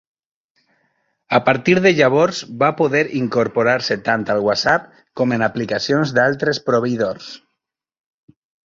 A partir de llavors va poder incorporar-se tant al WhatsApp com en aplicacions d'altres proveïdors.